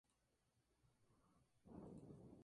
Serafina está enamorada de su jefe, pero no puede imaginar.